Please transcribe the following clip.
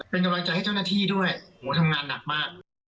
เป็นกำลังใจให้เจ้าหน้าที่ด้วยโหทำงานหนักมาก